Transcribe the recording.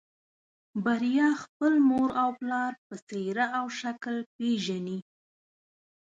بريا خپل پلار او مور په څېره او شکل پېژني.